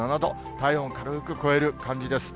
体温を軽く超える感じです。